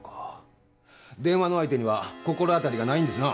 電話の相手には心当たりがないんですな？